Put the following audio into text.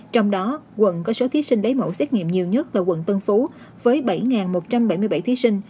trong đó quận có số thí sinh lấy mẫu xét nghiệm nhiều nhất là quận tân phú với bảy một trăm bảy mươi bảy thí sinh